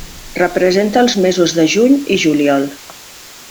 Representa els mesos de juny i juliol.